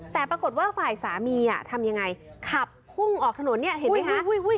แต่ปรากฏว่าฝ่ายสามีทำยังไงขับพุ่งออกถนนเนี่ยเห็นไหมคะ